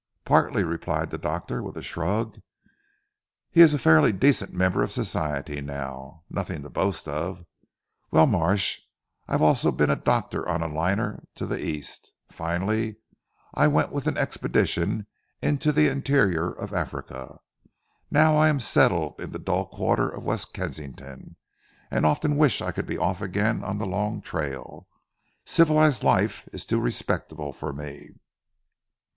"Partly," replied the doctor with a shrug, "he is a fairly decent member of society now. Nothing to boast of. Well Marsh, I have also been doctor on a liner to the East. Finally I went with an expedition into the interior of Africa. Now I am settled in the dull quarter of West Kensington, and often wish I could be off again on the long trail. Civilised life is too respectable for me."